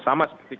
sama seperti kita